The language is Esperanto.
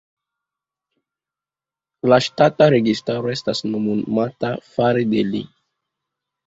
La ŝtata registaro estas nomumata fare de li.